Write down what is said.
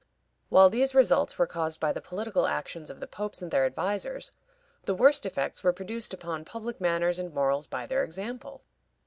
While these results were caused by the political actions of the popes and their advisers, the worst effects were produced upon public manners and morals by their example.